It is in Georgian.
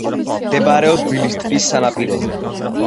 მდებარეობს ბილის ტბის სანაპიროზე.